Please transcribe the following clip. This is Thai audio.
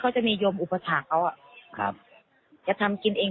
จะทำวิทย์กินเอง